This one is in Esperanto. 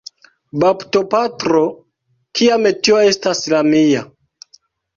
Baptopatro, kia metio estas la mia!